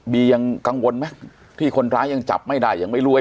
ยังกังวลไหมที่คนร้ายยังจับไม่ได้ยังไม่รู้ว่า